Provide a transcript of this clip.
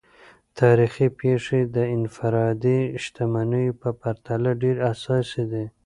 تاریخي پیښې د انفرادي شتمنیو په پرتله ډیر اساسي دي.